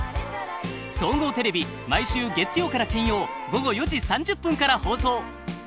総合テレビ毎週月曜から金曜午後４時３０分から放送。